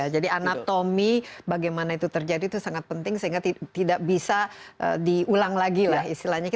jadi anatomi bagaimana itu terjadi itu sangat penting sehingga tidak bisa diulang lagi lah istilahnya